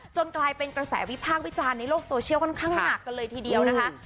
กลายเป็นกระแสวิพากษ์วิจารณ์ในโลกโซเชียลค่อนข้างหนักกันเลยทีเดียวนะคะ